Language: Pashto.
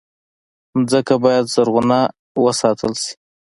مځکه باید زرغونه وساتل شي.